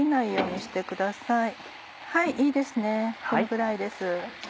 このぐらいです。